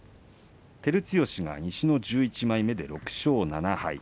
照強が西の１１枚目で６勝７敗。